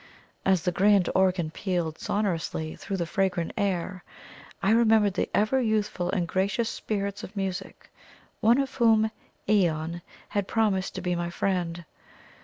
As the grand organ pealed sonorously through the fragrant air, I remembered the ever youthful and gracious Spirits of Music, one of whom, Aeon, had promised to be my friend.